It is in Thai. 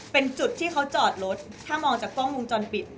เป็นจุดที่เขาจอดรถถ้ามองจากกล้องวงจรปิด